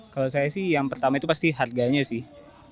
kalau saya sih yang pertama itu pasti harganya sih